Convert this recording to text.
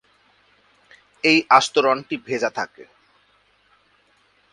এই আস্তরণ টি ভেজা থাকে।